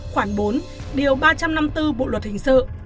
khoảng bốn điều ba trăm năm mươi bốn bộ luật hình sự